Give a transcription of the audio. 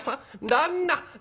旦那